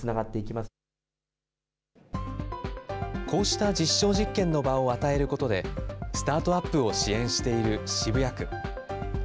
こうした実証実験の場を与えることで、スタートアップを支援している渋谷区。